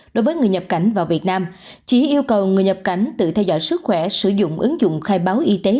đối với người nhập cảnh vào việt nam trí yêu cầu người nhập cảnh tự theo dõi sức khỏe sử dụng ứng dụng khai báo y tế